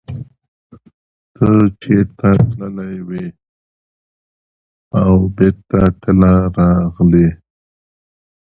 There used to be castles on the last two of these hills.